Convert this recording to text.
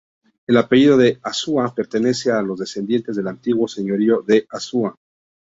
El apellido "de Asúa" pertenece a los descendientes del antiguo Señorío de Asúa.